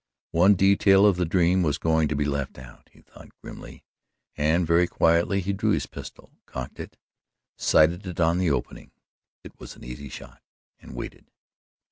One detail of the dream was going to be left out, he thought grimly, and very quietly he drew his pistol, cocked it, sighted it on the opening it was an easy shot and waited.